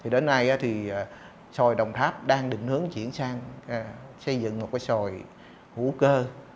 đến nay thì xoài đồng tháp đang định hướng chuyển sang xây dựng một cái xoài hữu cơ